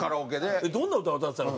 どんな歌歌ってたの？